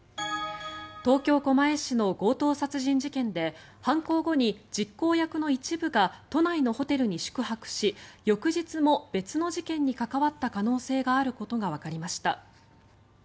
東京・狛江市の強盗殺人事件で犯行後に実行役の一部が都内のホテルに宿泊し翌日も別の事件に関わった可能性があることがわかりました。